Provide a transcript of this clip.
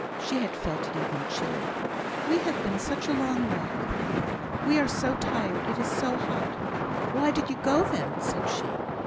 (She had felt it even chilly.) "We have been such a long walk! We are so tired. It is so hot." "Why did you go, then?" said she.